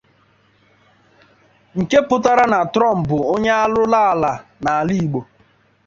nke pụtara na Trump bụ onye arụrụala n’olu Igbo.